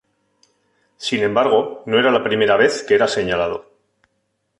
Sin embargo, no era la primera vez que era señalado.